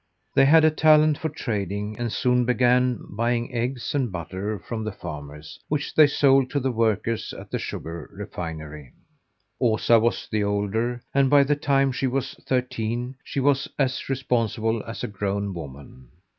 They had a talent for trading and soon began buying eggs and butter from the farmers, which they sold to the workers at the sugar refinery. Osa was the older, and, by the time she was thirteen, she was as responsible as a grown woman.